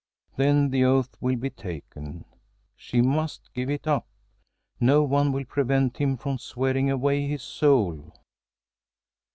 Then the oath will be taken! She must give it up. No one will prevent him from swearing away his soul.